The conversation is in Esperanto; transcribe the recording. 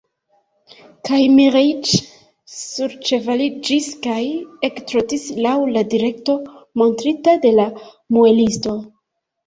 Kaj Miĥeiĉ surĉevaliĝis kaj ektrotis laŭ la direkto, montrita de la muelisto.